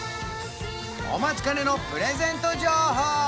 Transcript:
お待ちかねのプレゼント情報